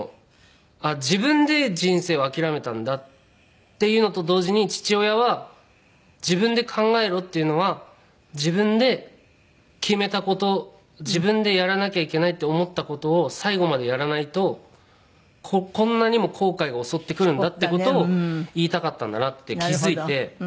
自分で人生を諦めたんだっていうのと同時に父親は自分で考えろっていうのは自分で決めた事自分でやらなきゃいけないって思った事を最後までやらないとこんなにも後悔が襲ってくるんだっていう事を言いたかったんだなって気付いて。